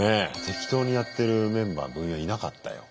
適当にやってるメンバー部員はいなかったよ。